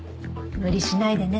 無理しないでね。